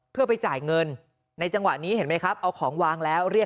เพื่อไปจ่ายเงินในจังหวะนี้เห็นไหมครับเอาของวางแล้วเรียก